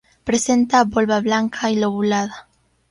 Presenta volva blanca y lobulada.